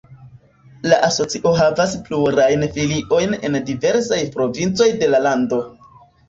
La asocio havas plurajn filiojn en diversaj provincoj de la lando.